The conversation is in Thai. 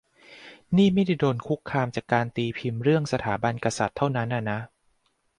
นี่ไม่ได้โดนคุกคามจากการตีพิมพ์เรื่องสถาบันกษัตริย์เท่านั้นอะนะ